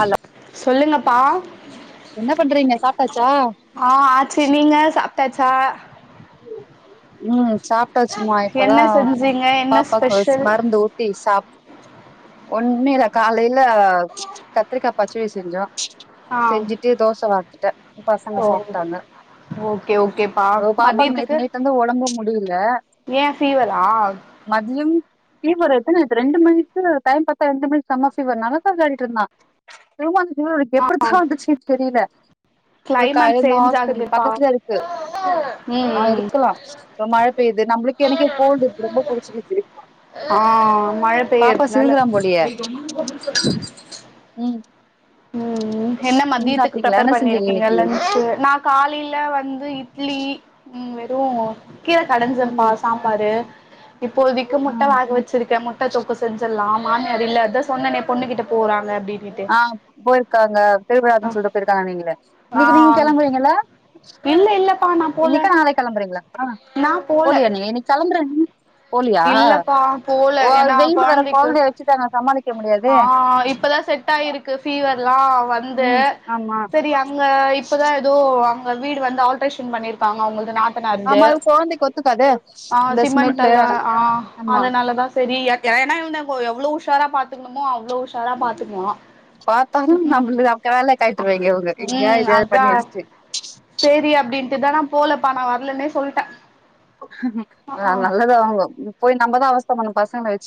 Hello சொல்லுங்கப் பா என்ன பண்றீங்க சாப்ட்டாச்சா டாச்சா ம் சாப்ட்டாச்சுமா இப்பதா என்ன செஞ்சீங்க என்ன பாப்பாக்கு ஸ்பெஷல் மருந்து ஊட்டி சாப் ஒன்மே இல்ல காலைல கத்ரிக்கா பச்சோடி செஞ்சோ செஞ்சுட்டு தோச வாத்துட்ட ஒ ஓகே ஓகேப்பா பாப்பாக்கு மதியத்துக்கு நேத்து நைட்டு ஒடம்பு முடியில ஏ ஃபீவரா மதியம் ஃபீவர் எதுன் இது ரெண்டு மணிக்கு டைம் பாத்தா ரெண்டு மணிக்கு செம்மா ஃபீவர் நல்லாதா விளையாடிட் இருந்தா உனுக் எப்புடித்தா வந்துச்சு தெரிய்ல க்ளைமேக் சேஞ்ச் ஆகுதுப்பா பக்கத்துல ம் ஒ மழ பேய்து நம்ப்ளுக்கு எனக்கே கோல்டு ரொம்ப புடிச்சிக்கிது ஆ மழ பெய்யற்துனால போலயே ம் என்ன நீங்க மத்தியத்துக்கு சாப்ட்டீங்களா என்ன ப்ரெப்பர் செஞ்சீங்க பண்ணிருக்கீங்க இன்னைக்கி லன்ச்சு நா காலையில வந்து இட்லி ம் து கீர கடஞ்சப்பா ம் சாம்பாரு இப்போதிக்கு ஆ முட்ட வேக வச்சிருக்கே முட்ட தொக்கு செஞ்சற்லா மாமியார் இல்ல அதா சொன்னனே பொண்ணுகிட்ட போறாங்க அப்டினுட்டு ஆ போயிருக்காங்க பெருவிழான்னு சொல்ட்டு போயிருக்காங்கனீங்களே இன்னக்கி நீங்க ஆ கெளம்புறீங்கள இல்ல இல்லப்பா நா போல இன்னைக்கா நாளைக் கெளம்புறீங்களா நா போல போலியா நீ இன்ன கெளம்புற நீ போலியா இல்லப்பா போல ஓ ஏன்னா வெயிலு வேற கொழந்தைக்கு கொழந்தைய வெச்சிட்டு அங்க சமாளிக் க்கெ முடியாதே செட்டாயிருக்கு ஃபீவ லா வந்து ம் ஆமா செரி அங்க இப்பதா ஏதோ அங்க வீடு வந் ஆல்ட்ரேஷன் பண்ணிருக் தா அவ்குள்து ஆமா நாத்தனாருது அது கொழந்தைக்கு ஒத்துக்காதே ஆ அந்த ஸ்மெல்லு சிமண்டல்லா ஆ ஆமா அதனாலதா சரி என் ப்ளூ ஷாரா பாத்துக்ணுமோ அவ்ளோ உஷாரா பாத்துக்மா பாத்தாலு நம்ளு அக்க வேல காய்ட்ருவீங்க இவுங்க எங்கயா ம் எத்யாவ்து பண்ணி வச்ட்டு இதுானா போலப்பா நா வர்லன்னே சொல்ட்ட ஆ நல்லதா வாங்க போய் நம்பதா அவஸ்த பட்னு பசங்கள வ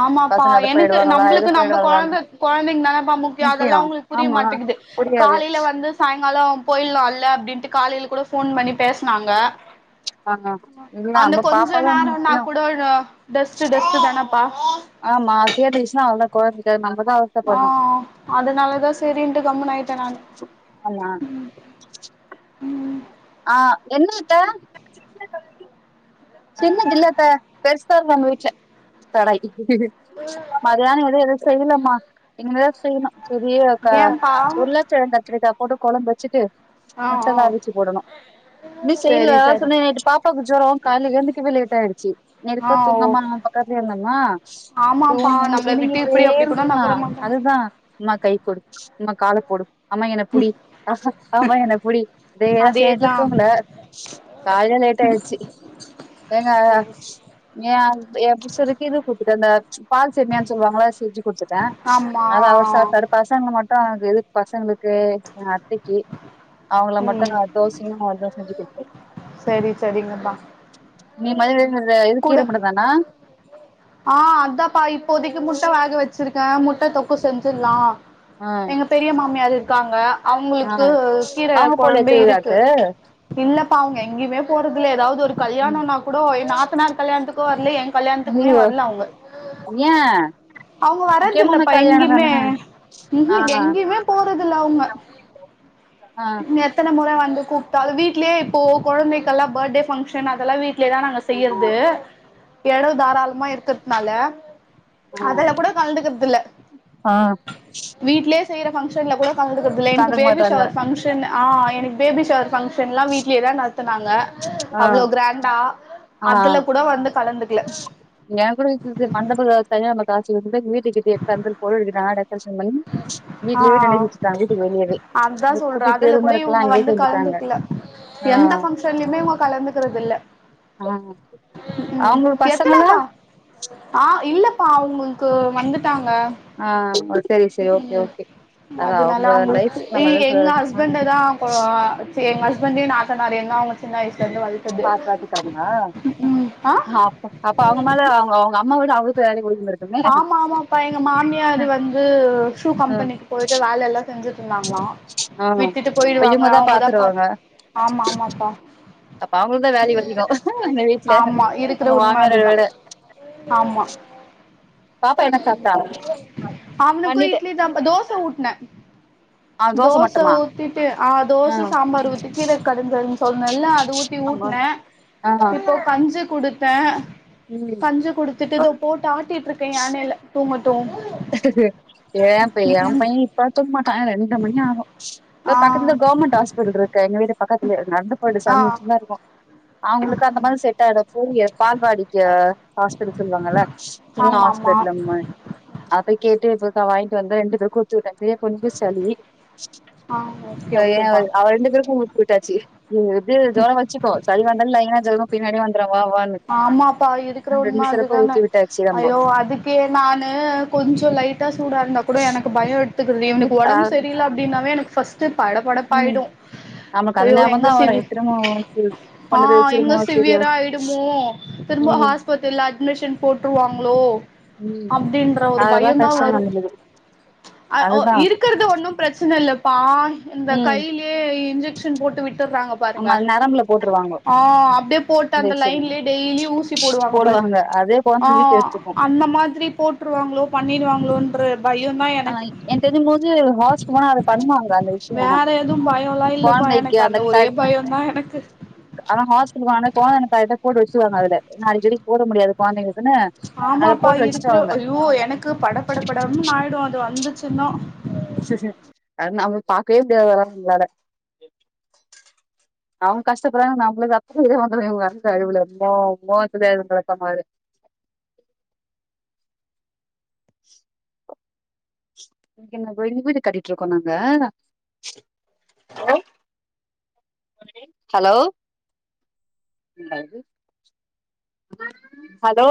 ஆமாப்பா எனக்கு நம்ளுக்கு நம்ம கொழந்த போயிடுவாங்களான்னு கொழந்தைங்க தானேப்பா முக்கியோ அதெல்லா அவங்களுக்கு புரிய மாட்டேங்குது புரியாது காலைல வந்து சா ங்கால போயிட்லால அப்டின்ட்டு காலைல கூட ஃபோன் பண்ணி பேஸ்னாங்க ஆ இல்ல அந்த நம்ம கொஞ்ச பாப்பாதா நேரனா முக்கியோ கூட டஸ்ட்டு டஸ்ட்டு டன் ஆமா சேந்துகிச்சுனா அவ்ளோ தா கொழந்த ஆ அதனாலதா சேரின்ட்டு கம்ன்னு ஆயிட்டே நானு ஆமா ம் ஆ என்ன அத்த சின்னது இல்ல அத்த பெருசு தாருக்கு எங்க வீட்ல கடாய் [unintelligible] எது செய்லாமா இனிமே தா செய்ணு சரி கா ஏம்பா உருளகெழங்கு கத்திரிக்கா போட்டு கொழம்பு வச்சுட்டு ஆ ஆ ட்டதா ஊசி போடணு இன்னு செய்ல செரி சரி சொன்ன நைட்டு பாப்பாவுக்கு ஜொரொ காலில எந்துக்கவே லேட்டாயிச்சு ஆ [unintelligible] ஓ தூங்காம அவ பக்கத்துலே இருந்தன்னா ஆமாப்பா தூங்கும்போது நம்மள விட்டு சினிங்கிட்டே இப்டி அப்டி கூட இருந்தா நகர மாட்டாங்க அதுதா நம்மா கை கொடு அம்மா கால போடு அம்மா என்ன புடி அம்மா என்ன புடி இதேதா சேர்னு அதேதா தூங்ல கால்ல லேட்டாயிருச்சு எங்க ஏ என் புருச்சருக்கு இது [unintelligible] அந்த பால் சேம்மியான்னு சொல்லுவாங்ளா செஞ்சு குடுத்துட்டே ஆமா அத அவர் சாப்ட்டாரு பசங்கள மட்டு எது பசங்களுக்கு எங்க அத்தைக்கு அவங்கள மட்டு ம் நா தோசையு அதுவு செஞ்சு குடுத்துடே செரி செரிங்கப்பா நீ [unintelligible] [unintelligible] இது கீர மட்டு தானா ஆஹ் அதாப்பா இப்போதைக்கு முட்ட வேக வச் ச்சிருக்கே முட்ட தொக்கு செஞ்சிர்லா ஆ எங்க பெரிய மாமியார் இரு க்காங்க ஆ அவங்களுக்கு கீர அவங்க போலயா கொழம்பு இருக்கு திருவிழாக்கு இல்ல பா அவங்க எங்கேயுமே போறது ல்ல எதாவது ஒரு ம். கல்யாணம்னா கூடொ என் நாத்தனார் கல்யாணத்துக்கும் வரல என் கல்யாணத்துக்கு க்குமே ஐயையோ வர்ல அவுங்க ஏ அவங்க வரது முக்கியமான இல்லப்பா கல்யாணம் எங்கய்மே தான ம்ஹூ ஆ எங்கயுமே போறதில்ல அவுங்க ஆ எத்தன முற வந்து கூப்புட்டாலு வீட்லயே இப்போ கொழந்தைகெல்லா பர்டே ஃபங்க்ஷன் அதெல்லாம் வீட் ட்லேதா நாங்க ஆமா செய்யறது எடவு தாராள் அம்மா இருக்கற்துனால ஆ அதல கூட கலந்துக்குறதில்ல ஆ வீட்லயே செய்ற ஃபங்ஷன்ல கூட கலந்துக்குறதுலா எனக்கு கண்டுக்க பேபி மாட்டாங்க ஷவர் பங்ஷன் ஆ எனக்கு பேபி ஷவர் ஃபங்க்ஷன்லா வீட்லேயேதா நடத்துனாங்க ஆ அவ்ளோ கிராண்டா அதுல கூட வந்து கலந்து க்ல எ கூட [unintelligible] சரியா [unintelligible] வீட்டுக்கிட்டயே உக்காந்தல் பொருள் எதிதிட்டாங்க டெகரேஷன் பண்ணி ஆ வீட்டுலயே [unintelligible] வச்சிக்காங்க வீட்டுக்கு வெளியவே அதா இந்த சொல்ற குட்டி அதுல கூட பெருமருக்கல்லா இவங்க அங்கயே வந்து செஞ்சுட்டாங்க கலந்துக்கல எந்த ஆஹ் ஃபங்க்ஷன்லயுமே இவங்க ஆஹ் உம் எத்தடப்பா ஆஹ் இல்ல ப்பா அவங்களுக்கு வந்து விட்டாங்க செரி செரி ஓகே ஓகே அது அதனால அவங்க லைஃப் அவங்களுக்கு எ நம்ம எது த சு எ ஹஸ்பண்டு நாத்தனாரு என்ன அவங்க சின்ன வயசு பா பாத்துக்காருங்க ம் ஆ அ அப்ப அவங்க மேல அவங்க அவங்க அம்மாவோட அவ [unintelligible] ஆமா ஆமாப்பா எங்க மாமியார் வந்து ஷூ ம் கம்பெனிக்கு போயிட்டு வேலெல்லா செஞ்சு ட்ருந்தாங்ளா ஆ விட்டுட்டு அப்ப போயிடுவாங்க இவங்கதா அவங்கதா பாத்துருவாங்க பாத்து ஆமா ஆமாப்பா அப்ப அவங்களுக்குதா வேலையு அதிக எங்க வீட்டுல ஆமா இருக்கிற உங்க உண்ம மாமியார அதுதா விட ஆமா பாப்பா என்ன சாப்ட்டா அவனுக்கு பண்ணிட்டே இட்லி தாப்பா தோச ஊட்னே ஆ தோச மட்டுமா ஊத்திட்டு ஆ தோச சாம்பார் ஊத்திட்டு கீரை கடஞ்சே நல்லா அது ஊத்தி ஆமா ஊட்ன ஆ இப்போ கஞ்சு குடுத்த ம் கஞ்சு குடுத்துட்டு தொ போட்டு ஆட்டிட்டுருக் இப்ப யானைல தூங்க ஏ பைய ஏ பைய இப்பலா தூங்கமாட் ஆ ரெண்டர மணி ஆகு தொ பக்கத்துல ஆ கவர்மெண்ட் ஹாஸ்பிட்டல் இருக்கு எங்க வீட்டு பக்கத்துல நடந்து போயிட்டு ஆ [unintelligible] தா இருக்கோ அவங்களுக்கு அந்த மருந்து செட் ஆயிடு தூங்கியாது பால்வாடிக்கு ஹாஸ்பிட்டல் சொல்லுவாங்கல்ல சின்ன ஆமா ஆமா ஹாஸ்பிட்டலம்ம கேட்டுருக்க வாங்கிட்டு வந்து ரெண்டு பேருக்கு ஊத்திவுட்டே இப்பயே கொஞ்சமா சளி ஆ ஓகே ஏ ஓகேப்பா அவ ரெண்டு பேருக்கு ஊத்திவிட் டாச்சி இது எப்டியு ஜொர வச்சுக்கு சளி வந்தாலே லைன்னா ஜொரமு பின்னாடியே வந் ஆமாப்பா இருக்கிற ரெண்டு உண்ம சிரப்ப அதுதான ஊத்தி விட்டாச்சு நம்போ ஐயோ அதுக்கே நானு கொஞ்சொ லைட்டா சூடாயிருந்தா கூட எனக்கு பயோ எ க்குது இவனுக்கு ஊத் ஆ ஒடம்பு செரியில்ல அப்டின்னாவே எனக் ஃப்ஸ்ட் ம் நமக்கு அந்த ஐயோ ஞாபக எங்க தா வரு சிவி [unintelligible] கொண்டு போய் வச்சிருமோ சரிய திரும்பவு ஹாஸ்பத்திரல அட்மிஷன் போட்டுருவாங்களோ ம் அப்டின்ற ஒரு அதெல்லா பய தா கஷ்டமா வரு இருந்தது ஆ ஒ அதுதா இருக்கிறது ஒன்னு பெரச்சன இல்ல ப்பா இந்த ம் கையிலியே இன்ஜெக்ஷன் போட்டு விட்டுறாங்க பாருங்க ஆமா அது நரம்புல போட்டுருவாங்க ஆ அப்டியே போட்டு அ ந்த இன்ஜெக்ஷனு லைன்லியே டெய்லி ஊசி போடுவாங்கப் பார் போடுவாங்க அதே ஆ கொழந்த வீக்க எடுத்துக்கு அந்த மாதிரி போட்டுருவாங்களோ பண்ணிடுவாங்களோன் [unintelligible] ஆனா என தெரிஞ்சும் போது ஹாஸலுக்கு போனா அதை பண்ணுவாங்க அந்த விஷயம்ல்ல வேற எதுவு பயோல்லா இல்லப்பா குந்தைக்கு எனக்கு அந்த ஒரே பயோந்தா எனக்கு ஆனா ஹாஸ்லு போ [unintelligible] கோடு வச்சுருவாங்க அதுல நாளைக்கடிக் போட முடியாது கொழந்தைங்களுக் ஆமாப்பா இருக்கிற ஐயோ எனக்கு பட பட படம்ன்னு ஆயிடு அது வந்து செல்லோ நம்ம பார்கக்கவே முடிய வரா இல்லட அவங்க கஷ்டப்படுறாங்க நம்மளுக்கு அப்புற இதந்து இவங்க அழவுல ரொக்க மாதிர வீடு கட்டிட்டு இருக்கோம் நாங்க ஹலோ ஹலோ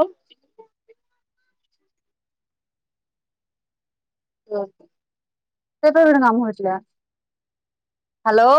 சரி போய்யிருங்க அண்னே வீட்டுல ஹலோ